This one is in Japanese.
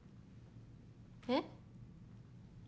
えっ？